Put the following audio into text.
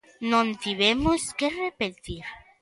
Non tivemos que repetir.